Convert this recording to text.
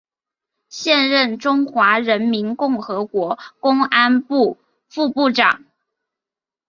现任中华人民共和国公安部副部长。